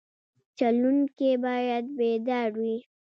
چلوونکی باید بیدار وي.